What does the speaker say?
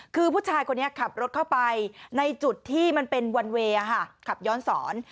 คือผู้ชายคนนี้ขับรถเข้าไปในจุดที่มันเป็นวันเวย์ขับย้อนสอน